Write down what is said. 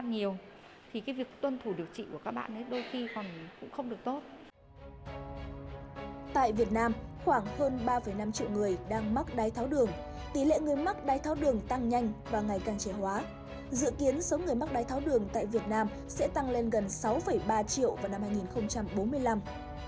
dự kiến số người mắc đáy tháo đường tại việt nam sẽ tăng lên gần sáu ba triệu vào năm hai nghìn bốn mươi năm